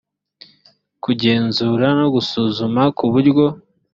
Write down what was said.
kugenzura no gusuzuma ku buryo